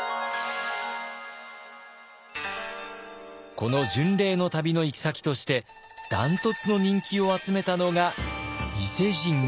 この巡礼の旅の行き先として断トツの人気を集めたのが伊勢神宮。